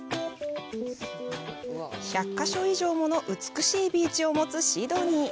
１００か所以上もの美しいビーチを持つシドニー。